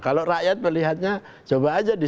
kalau rakyat melihatnya coba aja di